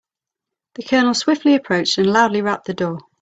The colonel swiftly approached and loudly rapped the door.